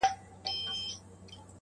ور ناورین یې د کارګه غریب مېله کړه؛